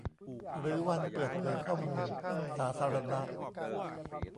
หรือวันเปิดเผยข้อมูลสาธารณะ